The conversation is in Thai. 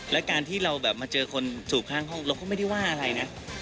และการที่เราแบบมาเจอคนสูบข้างห้องเราก็ไม่ได้ว่าอะไรนะ